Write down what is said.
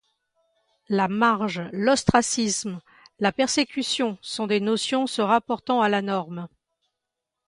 La marge, l'ostracisme, la persécution sont des notions se rapportant à la norme.